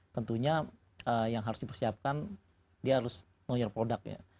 tentunya yang harus dipersiapkan dia harus know your product ya